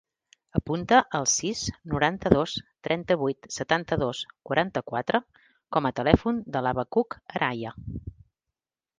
Apunta el sis, noranta-dos, trenta-vuit, setanta-dos, quaranta-quatre com a telèfon de l'Habacuc Araya.